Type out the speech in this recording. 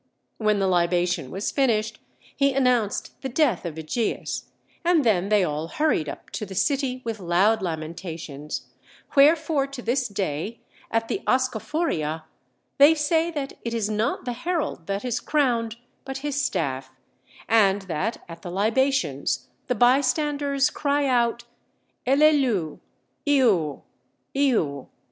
When the libation was finished he announced the death of Ægeus, and then they all hurried up to the city with loud lamentations: wherefore to this day, at the Oschophoria, they say that it is not the herald that is crowned, but his staff, and that at the libations the bystanders cry out, "Eleleu, Iou, Iou!"